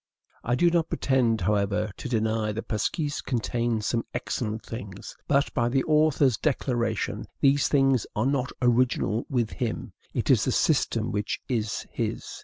I do not pretend, however, to deny that "L'Esquisse" contains some excellent things; but, by the author's declaration, these things are not original with him; it is the system which is his.